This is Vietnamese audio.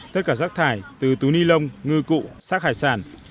tất cả rác thải từ túi ni lông ngư cụ xác hải sản